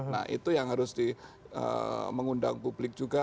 nah itu yang harus mengundang publik juga